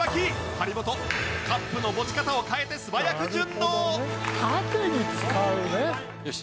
張本カップの持ち方を変えて素早く順応！